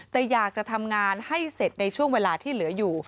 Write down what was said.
แต่อยากจะทำงานให้เสร็จในช่วงเวลาที่เหลืออยู่